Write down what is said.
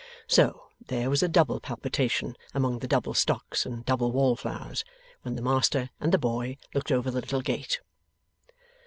So, there was a double palpitation among the double stocks and double wall flowers, when the master and the boy looked over the little gate.